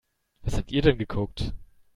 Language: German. Was habt ihr denn geguckt?